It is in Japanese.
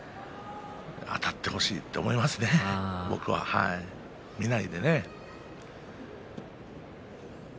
あたってほしいと思いますね見ないでね。